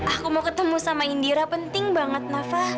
aku mau ketemu sama indira penting banget nafa